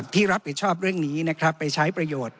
ที่รับผิดชอบเรื่องนี้นะครับไปใช้ประโยชน์